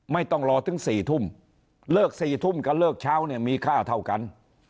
ไม่ต้องรอถึง๔ทุ่มเลิก๔ทุ่มกับเลิกเช้าเนี่ยมีค่าเท่ากัน